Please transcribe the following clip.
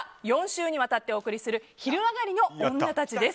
４週にわたってお届けする「昼上がりのオンナたち」です。